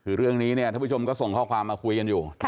คือเรื่องนี้เนี่ยท่านผู้ชมก็ส่งข้อความมาคุยกันอยู่